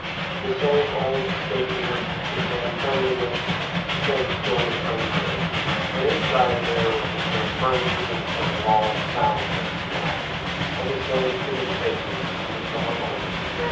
The same old stateliness, the same cleanliness, the same stillness reigned there, and inside there was the same furniture, the same walls, sounds, and smell, and the same timid faces, only somewhat older.